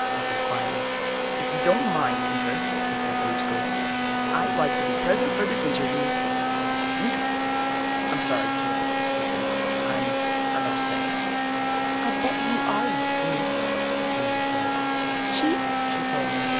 I said quietly. "If you don't mind, Tinker," he said brusquely. "I'd like to be present for this interview." "Tinker?" "I'm sorry, Gyp," he said. "I'm ... I'm upset." "I'll bet you are, you sneak," Anita said. "Chief," she told me.